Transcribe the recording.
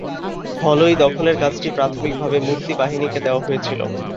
ধলই দখলের কাজটি প্রাথমিকভাবে মুক্তি বাহিনীকে দেওয়া হয়েছিল।